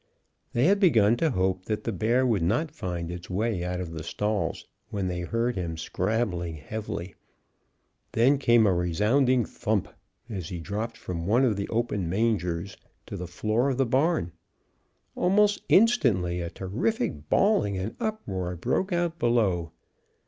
They had begun to hope that the bear would not find his way out of the stalls, when they heard him scrambling heavily. Then came a resounding thump as he dropped from one of the open mangers to the floor of the barn. Almost instantly a terrific bawling and uproar broke out below.